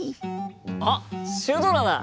あっシュドラだ！